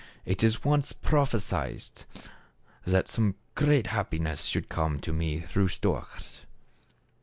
It was once prophesied that some great happi ness should come to me through storks."